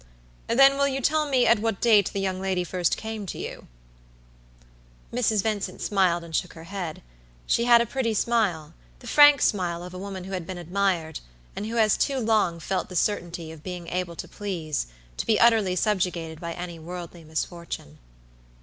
"Then will you tell me at what date the young lady first came to you?" Mrs. Vincent smiled and shook her head. She had a pretty smilethe frank smile of a woman who had been admired, and who has too long felt the certainty of being able to please, to be utterly subjugated by any worldly misfortune.